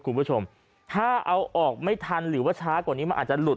คุณผู้ชมถ้าเอาออกไม่ทันหรือว่าช้ากว่านี้มันอาจจะหลุด